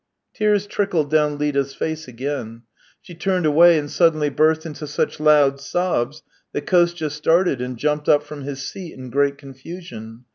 Tears trickled down Lida's face again. She turned away and suddenly burst into such loud sobs, that Kostya started and jumped up from his seat in great confusion.